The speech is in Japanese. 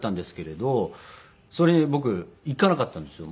それに僕行かなかったんですよ。